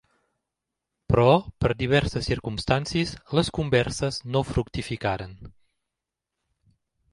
Però per diverses circumstàncies les converses no fructificaren.